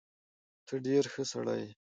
ته ډېر ښه سړی یې.